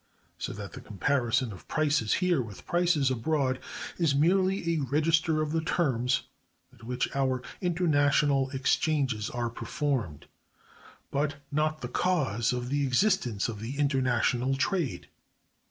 So that the comparison of prices here with prices abroad is merely a register of the terms at which our international exchanges are performed; but not the cause of the existence of the international trade.